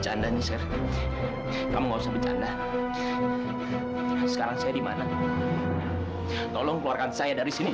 jangan bercanda bercanda sekarang saya di mana tolong keluarkan saya dari sini